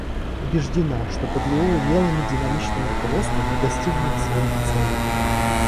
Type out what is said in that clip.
Убеждена, что под его умелым и динамичным руководством мы достигнем своих целей.